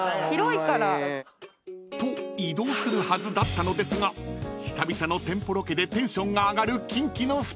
移動するはずだったのですが久々の店舗ロケでテンションが上がるキンキの２人］